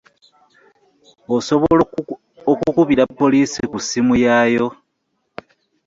Osobola okukubira poliisi ku ssimu yaayo.